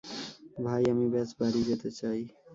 ভাই, আমি ব্যস বাড়ি যেতে চাই।